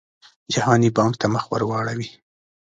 جهاني بانک ته مخ ورواړوي.